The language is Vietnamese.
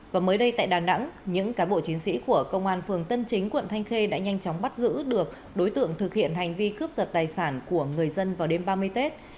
và mới đây tại đà nẵng những cán bộ chiến sĩ của công an phường tân chính quận thanh khê đã nhanh chóng bắt giữ được đối tượng thực hiện hành vi cướp giật tài sản của người dân vào đêm ba mươi tết